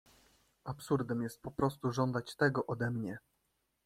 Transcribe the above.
"Absurdem jest poprostu żądać tego ode mnie."